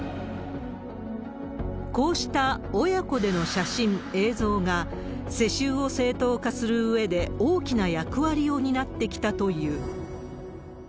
こうした親子での写真、映像が、世襲を正当化するうえで大きな役割を担ってきたという。